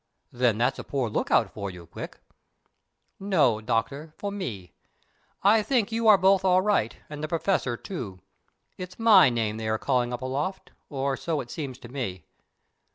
"Then that's a poor look out for us, Quick." "No, Doctor, for me. I think you are both all right, and the Professor, too. It's my name they are calling up aloft, or so it seems to me.